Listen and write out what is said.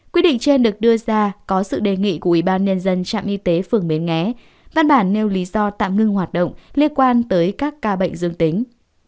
quyết định trên được đưa ra có sự đề nghị của ủy ban nhân dân trạm y tế phường bến nghé văn bản nêu lý do tạm ngưng hoạt động liên quan tới các ca bệnh dương tính